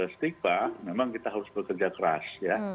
setipa memang kita harus bekerja keras